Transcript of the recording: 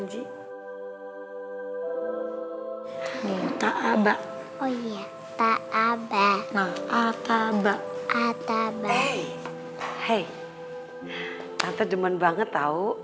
ngaji ta'aba oh iya ta'aba nah ataba ataba hei hei tante demen banget tau